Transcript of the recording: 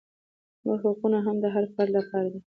نور حقوق هم د هر فرد لپاره دي.